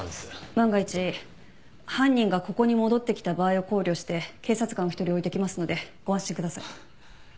万が一犯人がここに戻ってきた場合を考慮して警察官を一人置いてきますのでご安心ください。